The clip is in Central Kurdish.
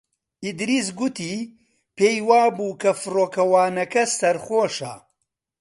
ئیدریس گوتی پێی وا بوو کە فڕۆکەوانەکە سەرخۆشە.